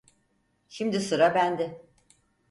Şimdi sıra bende!